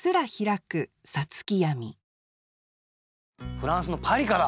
フランスのパリから。